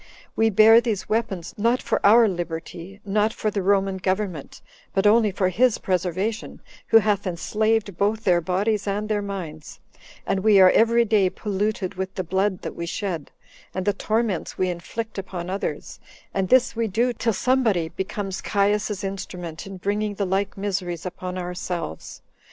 We bear these weapons, not for our liberty, not for the Roman government, but only for his preservation, who hath enslaved both their bodies and their minds; and we are every day polluted with the blood that we shed, and the torments we inflict upon others; and this we do, till somebody becomes Caius's instrument in bringing the like miseries upon ourselves.